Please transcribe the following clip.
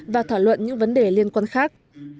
và thảo luận những vấn đề liên quan khác